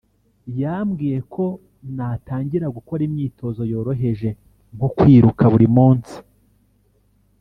yambwiye ko natangira gukora imyitozo yoroheje nko kwiruka buri munsi